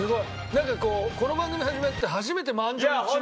なんかこの番組始まって初めて満場一致の。